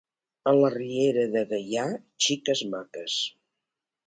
A la Riera de Gaià, xiques maques.